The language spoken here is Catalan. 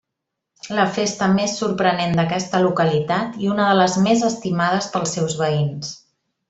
La festa més sorprenent d'aquesta localitat i una de les més estimades pels seus veïns.